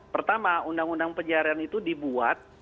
pertama undang undang penyiaran itu dibuat